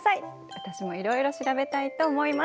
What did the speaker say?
私もいろいろ調べたいと思います。